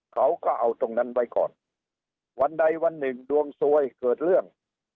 เขาก็เอาตรงนั้นไว้ก่อนวันใดวันหนึ่งดวงสวยเกิดเรื่อง